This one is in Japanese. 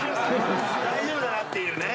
大丈夫だなっていうね